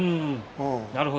なるほど。